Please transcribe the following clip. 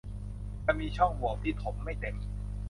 เหมือนมีช่องโหว่ที่ถมไม่เต็ม